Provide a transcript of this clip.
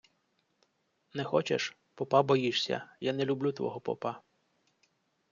Не хочеш? Попа боїшся? Я не люблю твого попа.